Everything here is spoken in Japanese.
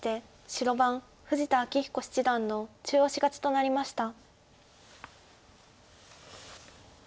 白番富士田明彦七段の中押し勝ちとなりました。